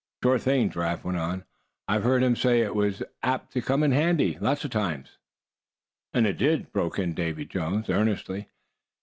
"Sure thing," Giraffe went on. "I've heard him say it was apt to come in handy lots of times." "And it did," broke in Davy Jones, earnestly.